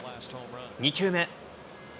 ２球目。